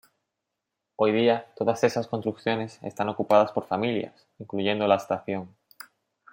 Hoy día, todas esas construcciones están ocupadas por familias, incluyendo la estación.